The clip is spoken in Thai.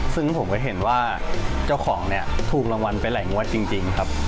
ซึ่งผมก็เห็นว่าเจ้าของเนี่ยถูกรางวัลไปหลายงวดจริงครับ